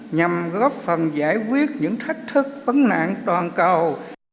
nhằm góp phần giải quyết những thách thức vấn nạn toàn cầu